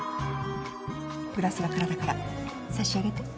グラスが空だから差し上げて。